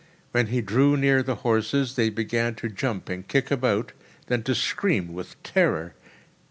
When he drew near the horses, they began to jump and kick about, then to scream with terror.